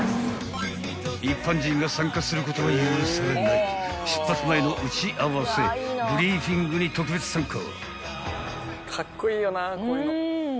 ［一般人が参加することは許されない出発前の打ち合わせブリーフィングに特別参加］